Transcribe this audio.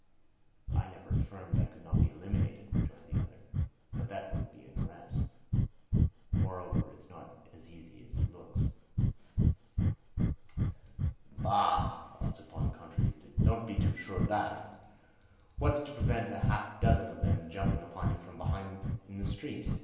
"I never affirmed I could not be eliminated," rejoined the other. "But that wouldn't be an arrest. Moreover, it's not so easy as it looks." "Bah!" Ossipon contradicted. "Don't be too sure of that. What's to prevent half a dozen of them jumping upon you from behind in the street?